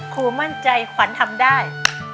ครูมั่นใจขวัญทำได้